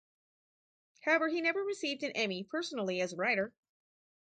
However, he never received an Emmy personally as writer.